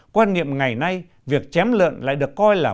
quan niệm ngày nay việc chém lợn lại được coi là